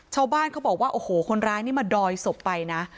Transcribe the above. ชาวบ้านเขาบอกว่าโอ้โหคนร้ายนี่มาดอยศพไปนะ